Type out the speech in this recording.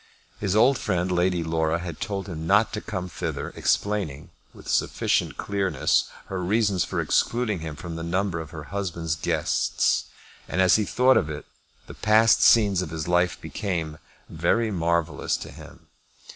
His old friend, Lady Laura, had told him not to come thither, explaining, with sufficient clearness, her reasons for excluding him from the number of her husband's guests. As he thought of it the past scenes of his life became very marvellous to him.